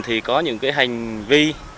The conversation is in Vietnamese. thì có những hành vi